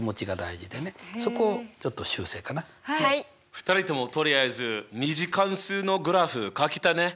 ２人ともとりあえず２次関数のグラフかけたね！